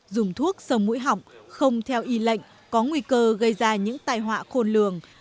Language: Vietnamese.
dùng thuốc sông mũi hỏng không theo y lệnh có nguy cơ gây ra những tai họa khôn lường